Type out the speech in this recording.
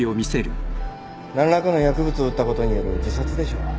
何らかの薬物を打ったことによる自殺でしょう。